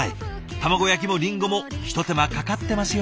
卵焼きもりんごもひと手間かかってますよ。